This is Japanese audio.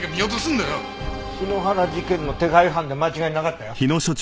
篠原事件の手配犯で間違いなかったよ。